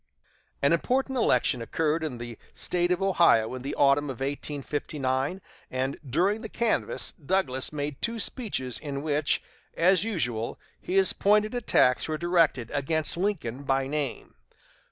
An important election occurred in the State of Ohio in the autumn of 1859, and during the canvass Douglas made two speeches in which, as usual, his pointed attacks were directed against Lincoln by name.